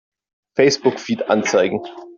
Facebook-Feed anzeigen!